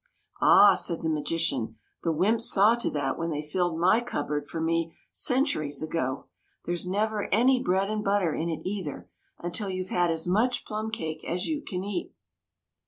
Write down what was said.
" Ah," said the magician, " the wymps saw to that, when they filled my cupboard for me, centuries ago. There 's never any bread and butter in it, either — until you Ve had as much plum cake as you can eat."